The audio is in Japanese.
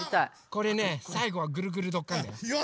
これねさいごは「ぐるぐるどっかん！」だよ。